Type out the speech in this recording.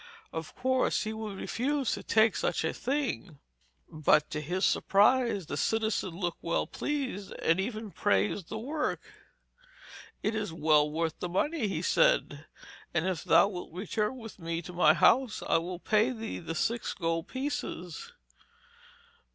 Of course he would refuse to take such a thing. But, to his surprise, the citizen looked well pleased, and even praised the work. 'It is well worth the money,' he said; 'and if thou wilt return with me to my house, I will pay thee the six gold pieces.'